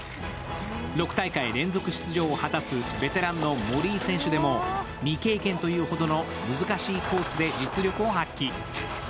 ６大会連続出場を果たすベテランの森井選手でも未経験というほどの難しいコースで実力を発揮。